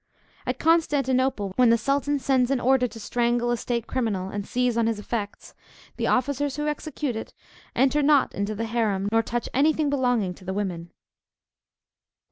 At Constantinople, when the sultan sends an order to strangle a state criminal, and seize on his effects, the officers who execute it enter not into the harem, nor touch any thing belonging to the women.